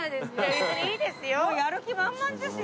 別にいいですよ。